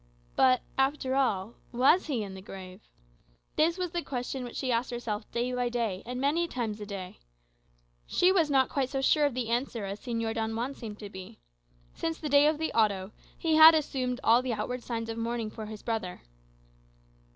But, after all, was he in the grave? This was the question which she asked herself day by day, and many times a day. She was not quite so sure of the answer as Señor Don Juan seemed to be. Since the day of the Auto, he had assumed all the outward signs of mourning for his brother.